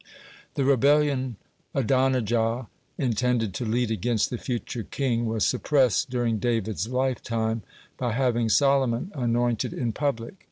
(2) The rebellion Adonijah intended to lead against the future king was suppressed during David's lifetime, by having Solomon anointed in public.